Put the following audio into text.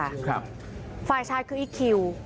ไฟพากเฉินคืออีกคิว